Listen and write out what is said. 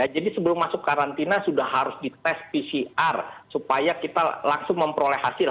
jadi sebelum masuk karantina sudah harus dites pcr supaya kita langsung memperoleh hasil